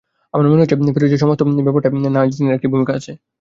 আমার মনে হচ্ছে, ফিরোজের সমস্ত ব্যাপারটায় নাজনীনের একটি ভূমিকা আছে।